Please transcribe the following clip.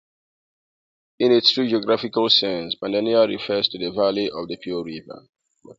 In its true geographical sense, Padania refers to the valley of the Po river.